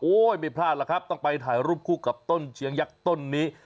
ไม่พลาดหรอกครับต้องไปถ่ายรูปคู่กับต้นเชียงยักษ์ต้นนี้